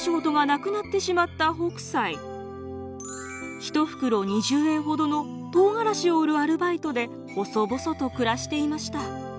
１袋２０円ほどの唐辛子を売るアルバイトで細々と暮らしていました。